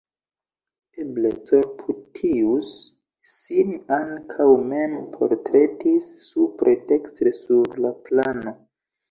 Eble Corputius sin ankaŭ mem portretis supre dekstre sur la plano.